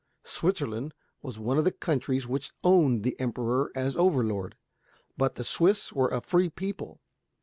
Switzerland was one of the countries which owned the Emperor as overlord. But the Swiss were a free people.